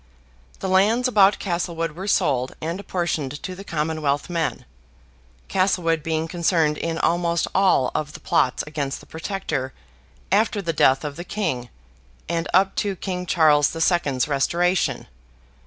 The lands about Castlewood were sold and apportioned to the Commonwealth men; Castlewood being concerned in almost all of the plots against the Protector, after the death of the King, and up to King Charles the Second's restoration.